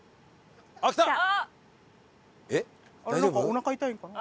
おなか痛いのかな？